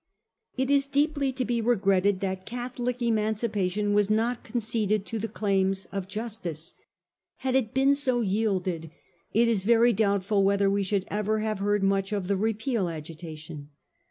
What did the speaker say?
It is deeply to be regretted that Catholic Emancipation was not conceded to the claims of justice. Had it been so yielded, it is very doubtful whether we should ever have heard much of the Repeal agitation.